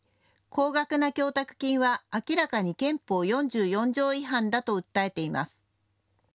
高額な供託金は明らかに憲法４４条違反だと訴えています。